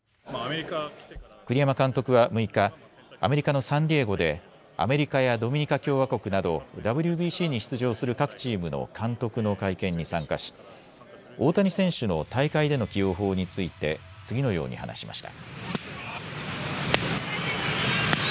栗山監督は６日、アメリカのサンディエゴでアメリカやドミニカ共和国などＷＢＣに出場する各チームの監督の会見に参加し、大谷選手の大会での起用法について次のように話しました。